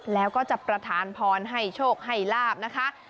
แล้วก็จะประธานพรให้โชคให้ลาบนะคะ